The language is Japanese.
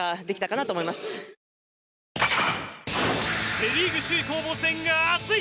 セ・リーグ首位攻防戦が熱い！